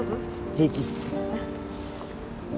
平気っす。